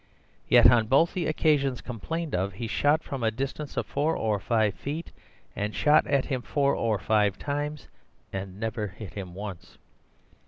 Yet on both the occasions complained of he shot from a distance of four or five feet, and shot at him four or five times, and never hit him once.